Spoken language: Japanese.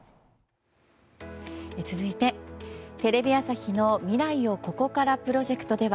続いて、テレビ朝日の未来をここからプロジェクトでは